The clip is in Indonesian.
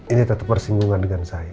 ini tetap bersinggungan dengan saya